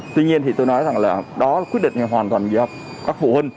tuy nhiên thì tôi nói rằng là đó quyết định là hoàn toàn do các phụ huynh